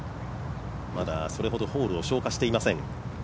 まだ、それほどホールを消化していません。